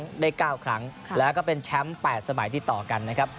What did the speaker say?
การแรงขัน๑๐ครั้งได้๙ครั้งแล้วก็เป็นแชมป์๘สมัยที่ต่อกันนะครับ